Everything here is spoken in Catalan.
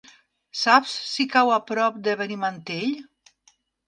Saps si cau a prop de Benimantell?